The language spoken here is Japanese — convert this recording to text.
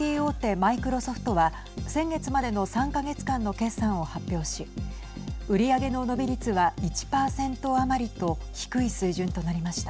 マイクロソフトは先月までの３か月間の決算を発表し売り上げの伸び率は１％余りと低い水準となりました。